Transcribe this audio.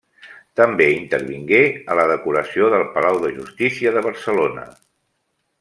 També intervingué a la decoració del Palau de Justícia de Barcelona.